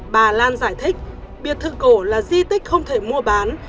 bà lan giải thích biệt thự cổ là di tích không thể mua bán